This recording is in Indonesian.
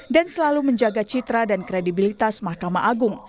dan selalu menjaga citra dan kredibilitas mahkamah agung